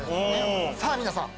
さぁ皆さん